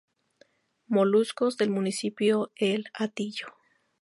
Moluscos del Municipio El Hatillo